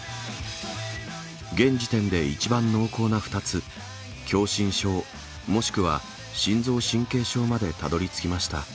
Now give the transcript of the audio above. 現時点で一番濃厚な２つ、狭心症、もしくは心臓神経症までたどりつきました。